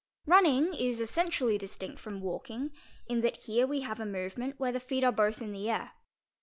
Running is essentially distinct from walking, in that here we hi a movement where the feet are both in the air.